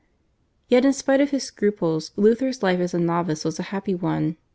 Yet in spite of his scruples Luther's life as a novice was a happy one.